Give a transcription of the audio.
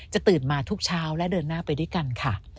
ตื่นมาทุกเช้าและเดินหน้าไปด้วยกันค่ะ